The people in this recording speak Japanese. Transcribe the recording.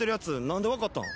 何で分かったん？